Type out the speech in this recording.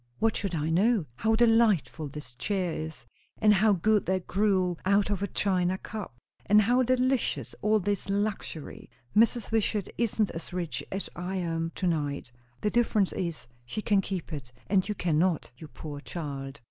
"What should I know?" "How delightful this chair is; and how good that gruel, out of a china cup; and how delicious all this luxury! Mrs. Wishart isn't as rich as I am to night." "The difference is, she can keep it, and you cannot, you poor child!"